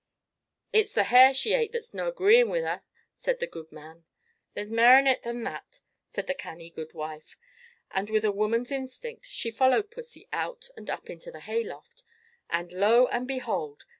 "It's the hare she ate that's no agreeing wi' her," said the goodman. "There's mair in it than that," said the canny goodwife; and, with a woman's instinct, she followed pussy out and up into the hay loft; and, lo and behold!